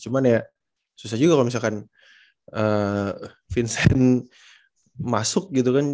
cuman ya susah juga kalau misalkan vincent masuk gitu kan